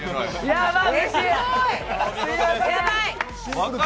やばい！